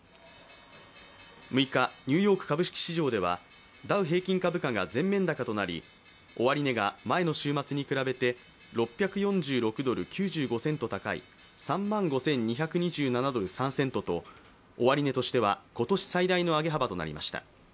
６日、ニューヨーク株式市場ではダウ平均株価が全面高となり終値が前の週末に比べて６４６ドル９５セント高い、３万５２２７ドル３セントと終値としては今年最大の上げ幅となりました。